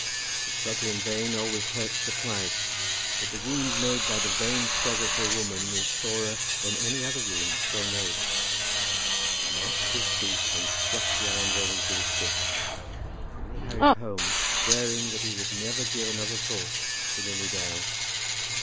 To struggle in vain always hurts the pride; but the wound made by the vain struggle for a woman is sorer than any other wound so made. He gnashed his teeth, and struck the iron railings with his stick; and then he hurried home, swearing that he would never give another thought to Lily Dale.